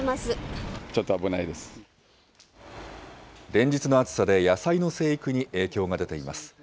連日の暑さで野菜の生育に影響が出ています。